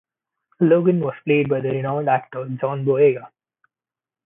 Logan was played by the renowned actor John Boyega.